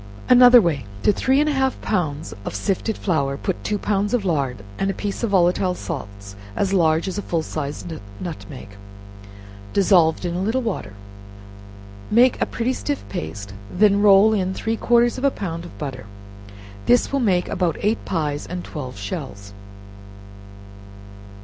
Another Way. To three and a half pounds of sifted flour, put two pounds of lard, and a piece of volatile salts (as large as a full sized nutmeg) dissolved in a little water; make a pretty stiff paste; then roll in three quarters of a pound of butter. This will make about eight pies and twelve shells.